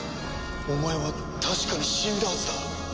お前は確かに死んだはずだ。